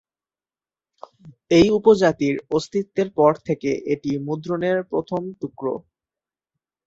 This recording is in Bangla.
এই উপজাতির অস্তিত্বের পর থেকে এটি মুদ্রণের প্রথম টুকরো।